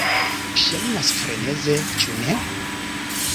Ŝajnas freneze, ĉu ne?